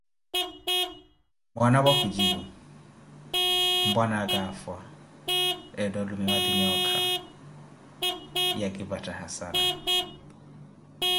Mwanapwa kujipu: Mpwanaaka afwa, ettha olumiwa ti nhooka, ya kipattha hassara.